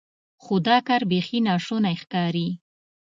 خو دا کار بیخي ناشونی ښکاري.